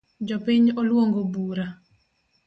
Jopiny oluongo bura